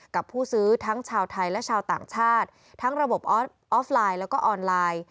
กับผู้ซื้อทั้งชาวไทยและชาวต่างชาติทั้งระบบออฟไลน์แล้วก็ออนไลน์